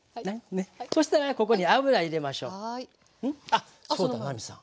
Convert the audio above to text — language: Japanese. あっそうだ奈実さん。